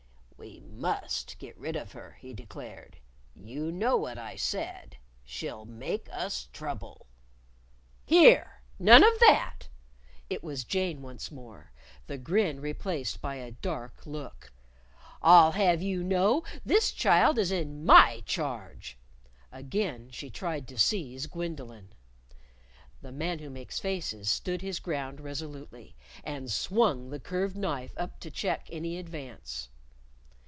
"We must get rid of her," he declared. "You know what I said. She'll make us trouble!" "Here! None of that!" It was Jane once more, the grin replaced by a dark look. "I'll have you know this child is in my charge." Again she tried to seize Gwendolyn. The Man Who Makes Faces stood his ground resolutely and swung the curved knife up to check any advance.